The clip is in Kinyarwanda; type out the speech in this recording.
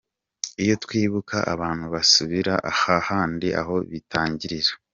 Iyo twibuka abantu basubira ha handi aho bitangirira.